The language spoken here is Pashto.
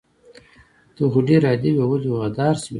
ته خو ډير عادي وي ولې غدار شوي